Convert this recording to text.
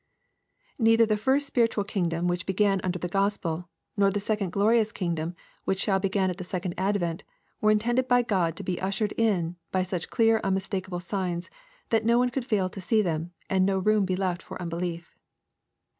— ^Neither the first spiritual Inngdom which began under the Q ospel, nor the second glorious kingdom which shall bt'gin at the second advent, were intended by God to be ushered in by such clear unmistakeable signs, that no one could fail to see tliem, and no room be left for unbelief.